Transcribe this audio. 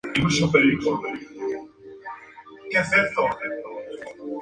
Ana María Machuca.